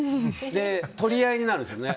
で、取り合いになるんですよね。